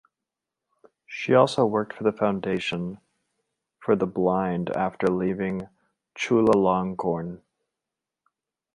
She also worked for the Foundation for the Blind after leaving Chulalongkorn.